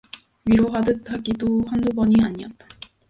위로하듯 하기도 한두 번이 아니었다.